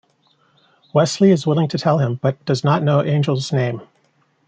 Wesley is willing to tell him, but does not know Angel's name.